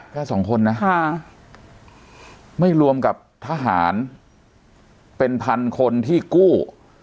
แค่สองคนนะค่ะไม่รวมกับทหารเป็นพันคนที่กู้